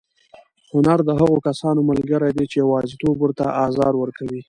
هنر د هغو کسانو ملګری دی چې یوازېتوب ورته ازار ورکوي.